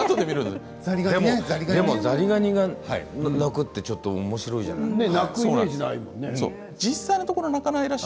でもザリガニが鳴くとおもしろいじゃないですか。